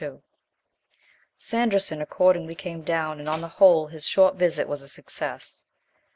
~II~ Sanderson accordingly came down, and on the whole his short visit was a success.